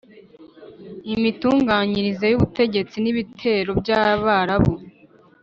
imitunganyirize y ubutegetsi n’ ibitero by abarabu